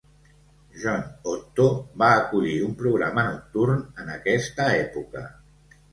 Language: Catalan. John Otto va acollir un programa nocturn en aquesta època.